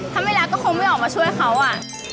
ถ้าไม่รักก็คงไม่ออกมาช่วยเขาอ่ะ